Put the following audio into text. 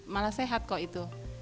malah sehat kok itu